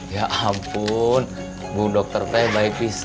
ya ampun bu dokter peh baik baik